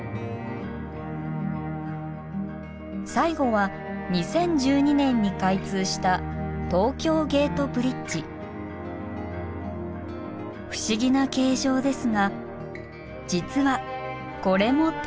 最後は２０１２年に開通した不思議な形状ですが実はこれもトラス橋。